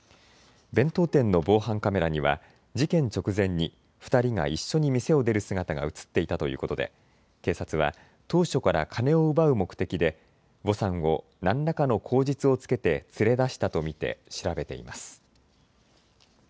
弁当店の防犯カメラには事件直前に２人が一緒に店を出る姿が写っていたということで警察は当初から金を奪う目的でヴォさんを何らかの口実をつけて連れ出したと見て調べています。